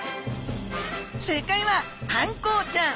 正解はあんこうちゃん！